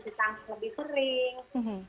sisi tangki lebih sering